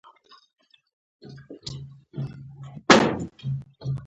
ببر سر، چاودې لاسونه ، شکېدلي بوټان ډېر ورته خفه شو.